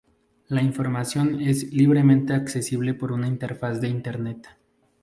La información es libremente accesible por una interfaz de Internet.